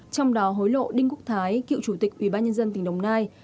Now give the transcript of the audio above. trong đó hối lộ đinh quốc thái cựu chủ tịch ubnd tỉnh đồng nai